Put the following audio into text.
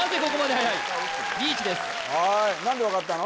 はい何で分かったの？